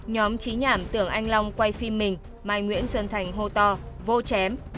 nhóm trí nhảm tưởng anh long quay phim mình mai nguyễn xuân thành hô to chém